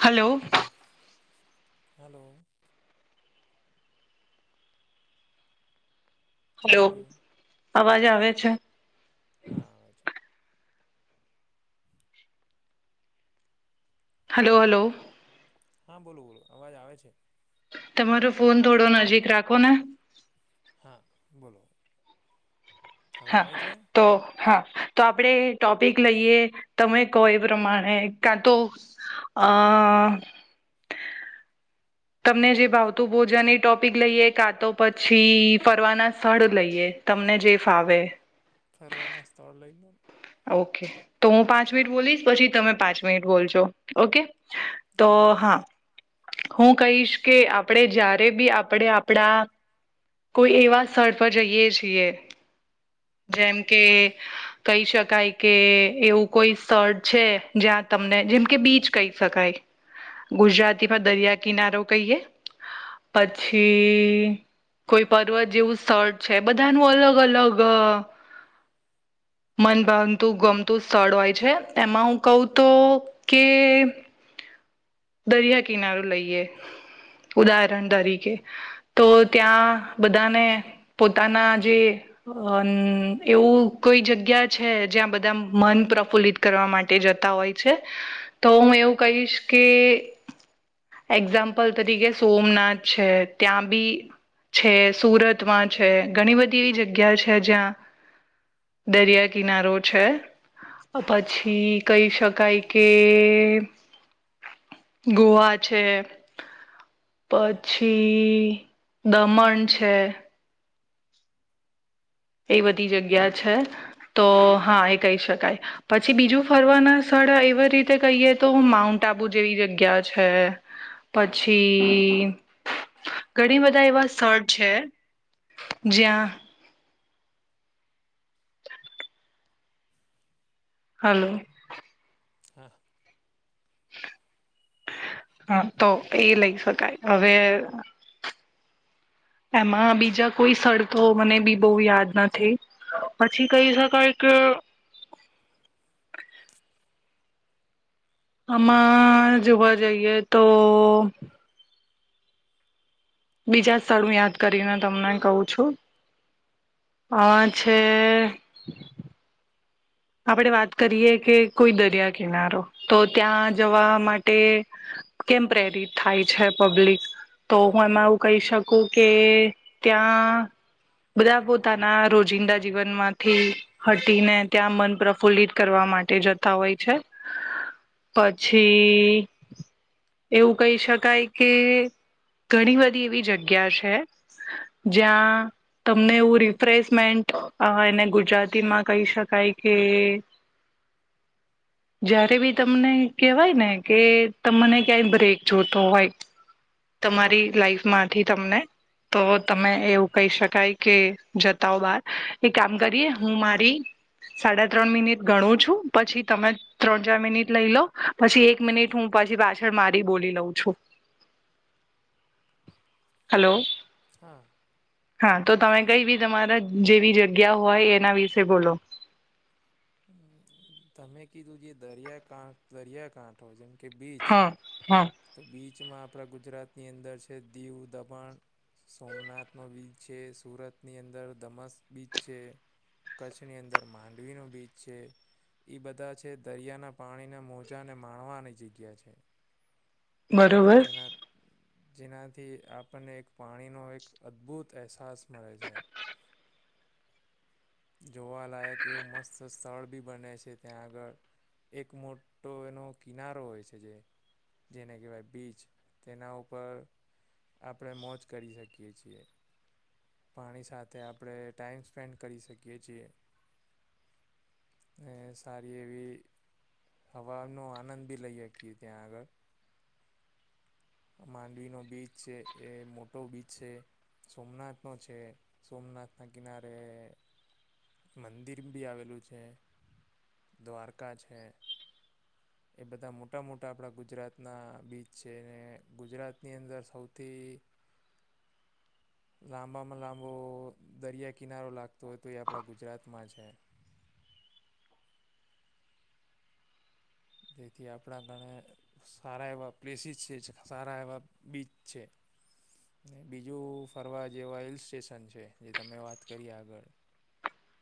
Hello. Hello. Hello અવાજ આવે છે. હા આવે છે. [inaudible] Hello hello. હા બોલો બોલો અવાજ આવે છે. તમારો ફોન થોડો નજીક રાખો ને. હા બોલો. હવે હા આવે છે તો. હા તો આપણેે ટોપિક લઈએ તમે કહો એ પ્રમાણે કા તો. અ. તમને જે ભાવતું ભોજાન એ ટોપિક લઈએે કાં તો પછી ફરવાના સ્થળ લઈએ. તમને જે ફાવે. ફરવાના સ્થળ લઈ લો. ઓકે તો હું પાંચ મિનિટ બોલીશ પછી તમે પાંચ મિનિટ બોલજો. ઓકે તો હા. હું કહીશ કે આપડે જ્યારે બી આપડે આપડા. કોઈ એવા સ્થળ પર જઈએ છીએ. જેમ કે કહી શક. શકાય કે એવું કોઈ સ્થળ છે જ્યાં તમને જેમ કે બીચ કહી શકાય. ગુજરાતીમાં દરિયા કિનારો કહીએ પછી. કોઈ પર્વત જેવું સ્થળ છે બધાનું અલગ અલગ. મંન. બનતું ગમતું સ્થળ હોય છે એમાં હું કઉ તો કે. દરિયા કિનારો લઈએ ઉદાહરણ તરીકે. તો ત્યાં બધાને પોતાના જે. એવું કોઈ જગ્યા છે જ્યાં બધા મન પ્રફુલ્લિત. કરવા માટે જતા હોય છે તો હું એવું કહીશ કે. એક્ઝામ્પલ તરીકે સોમનાથ છે ત્યાં બી. છે સુરતમાં છે ઘણી બધી એવી જગ્યા છે જ્યાં. દરિયા કિનારો છે. પછી કહી શકાય કે. ગોવા છે. પછી દમણ છે. એ બધી જગ્યા છે. તો હા એ કહી શકાય પછી બીજું ફરવાના સ્થળ એવી રીતે કહીએ તો માઉન્ટ. આબુ જેવી જગ્યા છે. પછી ઘણી બધા એવા સ્થળ છે. જયા. હાલો. હા. હા તો એ લઈ શકાય હવે. એમાં બીજા કોઈ સડકો મને બી બહુ યાદ નથી. પછી કહી શકાય કે. આમાં જોવા જઈએ તો. બીજા સ્થળું યાદ કરીને તમને કહું છું. અ સે. આપણેે વાત કરીએ કે કોઈ દરિયા કિનારો તો ત્યાં જવા માટે. કેમ પ્રેરિત થાય છે પબ્લિક. તો હું એમાં એવુ કહી શકું કે ત્યાં. બધા પોતાના રોજિંદા જીવનમાંથી હટીને ત્યાં મન પ્રફુલ્લિત. લિત કરવા માટે જતા હોય છે. પછી એવું કહી શકાય કે. ઘણી બધી એવી જગ્યા છે. જ્યાં તમને એવું રિફ્રેશમેન્ટ એને ગુજરાતીમાં કહી શક. શકાય કે. જયારે બી તમને કેહેવાય ને કે તમને ક્યાંય બ્રેક જોતો હોય. તમારી લાઈફ માંથી તમને. તો તમે એવું કહી શકાય કે જતા હો બાર એ કામ કરીએ હું મારી સાડા ત્રણ મિનિટ ગણું છું પછી તમે ત્રણ ચાર મિનિટ લઈ લો પછી એક મિનિટ હું પછી પાછળ મારી બોલી લઉં છું હલો. હા. હા તો તમે કઈ બી તમારા જેવી જગ્યા હોય એના વિશે બોલો. હમ્મ. તમે કીધું જે દરિયા દરિયાકાંઠો જેમ કે બીચ હા હા તો બીચમાં આપણા ગુજરાતની અંદર છે દીવ દમણ સોમનાથનો બીચ છે સુરતની અંદર ધમસ બીચ છે કચ્છની અંદર માંડવીનો બીચ છે. એ બધા છે દરિયાના પાણીના મોજાને માણવાની જગ્યા છે. બરોબર જેના જેનાથી આપણને એક પાણીનો એક અદ્ભુત અહેસાસ મળે છે. જોવાલાયક એવું મસ્ત સ્થળ બી બને છે. ત્યાં આગળ એક મોટો એનો કિનારો હોય છે જે જેને કહેવાય બીચ તેના ઉપર આપણે મોજ કરી શકીએ છીએ. પાણી સાથે આપણે ટાઈમ સ્પેન્ડ કરી શકીએ છીએ. એજ તારી એવી હવાનો આનંદ બી લઈ શકીએ ત્યાં આગળ માંડવીનો બીચ છે એ મોટો બીચ છે. સોમનાથ નો છે સોમનાથ ના કિનારે મંદિર બી આવેલું છે દ્વારકા છે. એ બધા મોટા મોટા આપણા ગુજરાતના બીચ છે અને ગુજરાતની અંદર સૌથી લાંબામાં લાંબો દરિયા કિનારો લાગતો હોય તો એ આપણા ગુજરાતમાં છે. જેથી આપણા ગણે સારા એવા પ્લેસીસ છે સારા એવા બીચ છે ને બીજું ફરવા જેવા હિલ સ્ટેશન છે જે તમે વાત કરીએ આગળ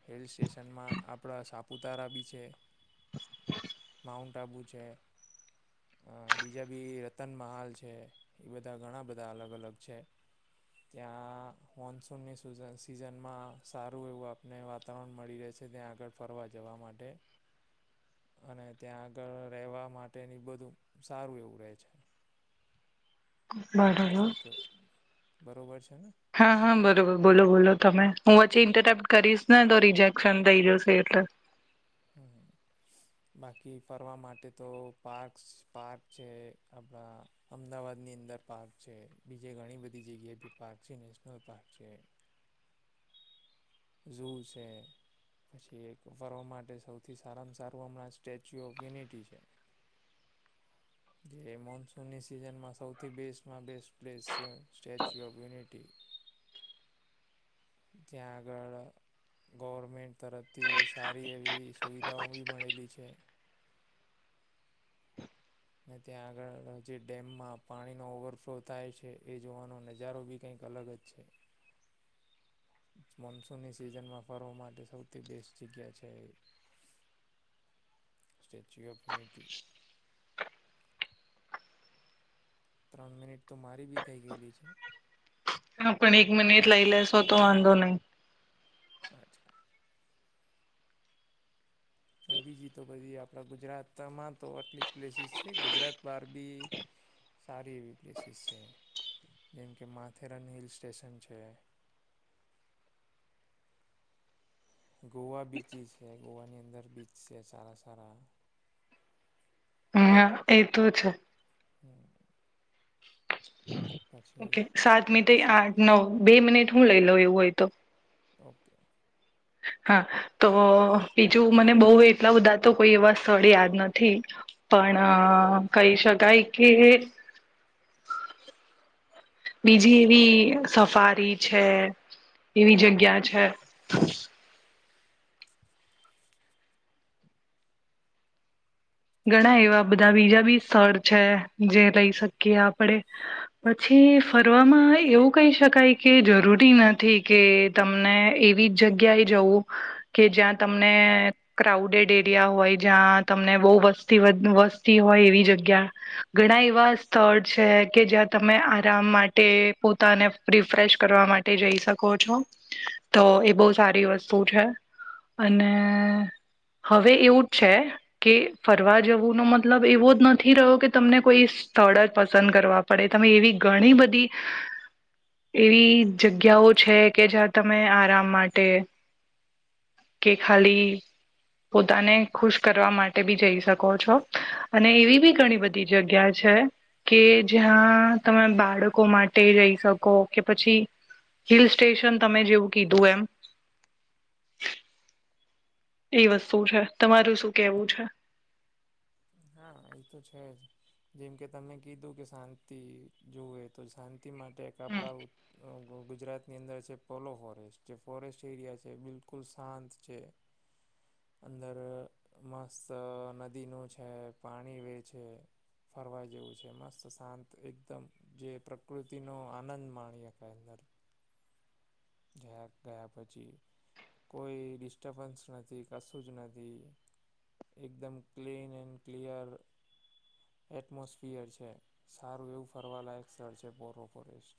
હિલ સ્ટેશનમાં આપણા સાપુતારા બી છે. [inaudible] માઉન્ટ આબુ છે. અ બીજા બી રતનમહાલ છે એ બધા ઘણા બધા અલગ અલગ છે. ત્યાં મોન્સૂનની સૂઝન સિઝનમાં સારું એવું આપ ને વાતાવરણ મળી રહે છે ત્યાં આગળ ફરવા જવા માટે અને ત્યાં આગળ રહેવા માટેની બધું સારું એવું રહે છે. [unintelligible] બરાબર છે ને હા હા બરોબર બોલો બોલો તમે હું પછી ઇન્ટરેપ્ટ કરીશ ને તો રિજેક્શન થઇ જશે એટલે હમ્મ. બાકી ફરવા માટે તો પાર્ક પાર્ક છે આપણા અમદાવાદની અંદર પાર્ક છે બીજે ઘણી બધી જગ્યાએ બી પાર્ક છે નેશનલ પાર્ક છે. જું છે પછી એક ફર્વા માટે સૌથી સારામાં સારું હમણાં સ્ટેચ્યુ ઓફ યુનિટી છે. જે મોન્સૂનની સિઝનમાં સૌથી બેસ્ટમાં બેસ્ટ પ્લેસ છે સ્ટેચ્યુ ઓફ યુનિટી [unintelligible] આગળ ગવર્મેન્ટ તરફથી સારી એવી સુવિધાઓ બી મળેલી છે. ને ત્યાં આગળ જે ડેમમાં પાણીનો ઓવરફ્લો થાય છે એ જોવાનો નજારો બી કંઈક અલગ જ છે. મોન્સૂનની સિઝનમાં ફરવા માટે સૌથી બેસ્ટ જગ્યા છે. સ્ટેચ્યુ ઓફ યુનિટી ત્રણ મિનિટ તો મારી બી થઈ ગયેલી છે. હ પણ એક મિનિટ લઈ લસ હો તો વાંધો નહી અચ્છા બીજી તો બધી આપણા ગુજરાતમાં તો આટલી જ પ્લેસીિસ છે ગુજરાત બાર બી સારી એવી પ્લેસીસ છે જેમ કે માથેરન હિલ સ્ટેશન છે. ગોવા બીચીસ છે ગોવાની અંદર બીચ છે સારા સારા હા એ તો છે. હું. પછી ઓકે સાત મીથ સેમ આઠ નવ બે મિનિટ હું લઈ લઉ એવું હોય તો ઓકે, હાતો બીજું મને બહુ એટલા બધા તો કોઈ એવા સ્થળ યાદ નથી પણ કહી શકાય કે બીજી એવી સફારી છે, એવી જગ્યા છે. ઘણા એવા બધા બીજા બી સ્થળ છે, જે લઈ શકીએ આપડે પછી ફરવામાં એવું કંઈ શક કંઈ કે જરૂરી નથી કે તમને એવી જ જગ્યાએ જવું, કે જ્યાં તમને ક્રાઉડેડ એરિયા હોય જ્યાં તમને બહુ વસ્તી વસ્તી હોય એવી જગ્યા ઘણા એવા સ્થળ છે, કે જ્યાં તમે આરામ માટે પોતાને રિફ્રેશ કરવા માટે જઈ શકો છો, તોએ બહુ સારી વસ્તુ છે. અને હવે એવું છે, કે ફરવા જવું ન મતલબ એવો જ નથ થી રહો કે તમને કોઈ સ્થળ જ પસંદ કરવા પડે તમે એવી ઘણી બધી એવી જગ્યાઓ છે, કે જ્યાં તમે આરામ માટે કે ખાલી પોતાને ખુશ કરવા માટે બી જઈ શકો છો, અને એવી ભી ઘણી બધ ઈ જગ્યા છે. કે જ્યાં તમે બાળકો માટે જઈ શકો કે પછી હિલસ્ટેશન તમે જેવું કીધું એમ એ વસ્તુ છે, મારું શું કેવું છે. હાએતો છે, જ જેમ કે તમે કીધું કે શાંતિ જોવેએ તો શાંતિ માટે એક આપણા ગુજરાત ની અંદર છે, પલો ફોરેસ્ટ જે ફોરેસ્ટ એરિયા છે, બિલકુલ શાંત છે. અંદર મસ્ત નદીનું છે, પાણી વેચે છે. ફરવા જેવું છે, મસ્ત શાંત એકદમ જે પ્રકૃતિનો આનંદ માણીએ અંદર ગયા ગયા પછી કોઈ ડિસ્ટર્બન્સ નથી કશું જ નથી એકદમ ક્લીન એન્ડ ક્લિયર એટમોસ્ફિયર છે સારું એવું ફરવાલાયક સ્થળ છે પોરો ફોરેસ્ટ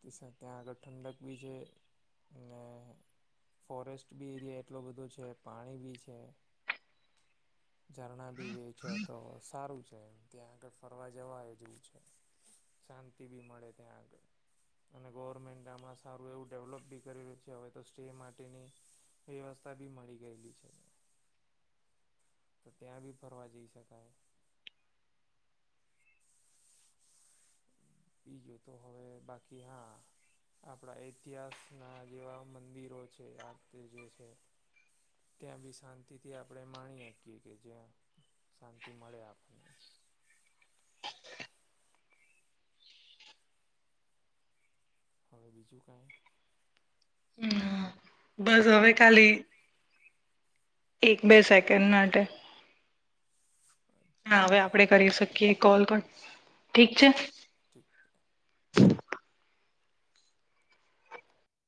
તે ત્યાં આગળ ઠંડક ભી છે ને ફોરેસ્ટ બી એરિયા એટલો બધો છે પાણી ભી છે [inaudible] ઝરણા ભીવે છે તો સારું છે, એ ત્યાં આગળ ફરવા જવા એ જેવું છે. શાંતિ ભી મળે ત્યાં આગળ અને ગવર્મેન્ટ હમણાં સારું એવું ડેવલપ બી કરેલું છે હવે તો સ્ટે માટેની વ્યવસ્થા ભી મળી ગયેલી છે [unintelligible] [inaudible] તો ત્યાં બી ફરવા જઈ શકાય બીજું તો હવે બાકી હા આપણા ઇતિહાસના જેવા મંદિરો છે આ તેજે છે. ત્યાં ભી શાંતિથી આપણે માણી શકીએ કે જ્યાં શાંતિ મળે આપણને હવે બીજું કાંઈ હમ્મ હા બસ હવે ખાલી એક બે સેકન્ડ માટે અચ્છા હા હવે આપડે કરી શકીએ કોલ કર ઠીક છે ઠીક છે